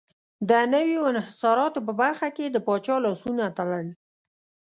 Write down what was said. د نویو انحصاراتو په برخه کې یې د پاچا لاسونه تړل.